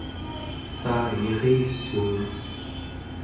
saayirissuun